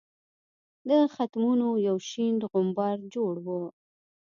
د ختمونو یو شین غومبر جوړ وو.